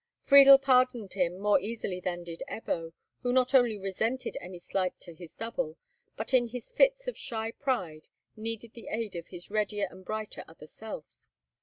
Friedel pardoned him more easily than did Ebbo, who not only resented any slight to his double, but in his fits of shy pride needed the aid of his readier and brighter other self.